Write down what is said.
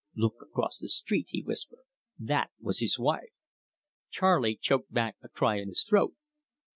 'Look across the street,' he whisper. 'That was his wife.'" Charley choked back a cry in his throat.